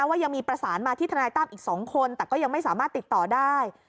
ว่ายังมีประสานมาที่ทนายตั้มอีก๒คนแต่ก็ยังไม่สามารถติดต่อได้